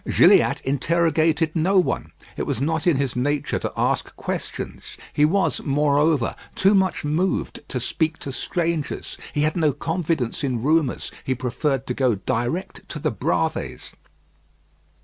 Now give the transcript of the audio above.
Gilliatt interrogated no one. It was not in his nature to ask questions. He was, moreover, too much moved to speak to strangers. He had no confidence in rumours. He preferred to go direct to the Bravées.